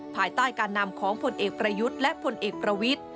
ภายใต้การนำของผลเอกประยุทธ์และผลเอกประวิทธิ